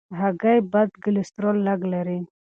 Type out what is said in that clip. هګۍ بد کلسترول لږ لري.